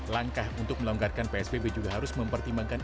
langkah untuk melonggarkan psbb juga harus mempertimbangkan